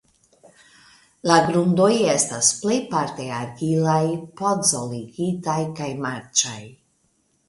La grundoj estas plejparte argilaj podzoligitaj kaj marĉaj.